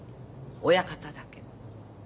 親方だけ。